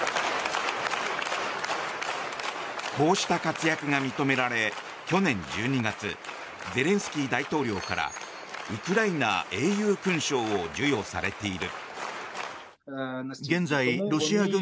こうした活躍が認められ去年１２月ゼレンスキー大統領からウクライナ英雄勲章を授与されている。